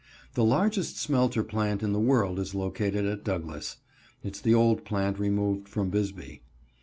The largest smelter plant in the world is located at Douglas. (Its the old plant removed from Bisbee.)